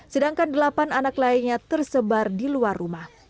sedangkan delapan anak lainnya tersebar di luar rumah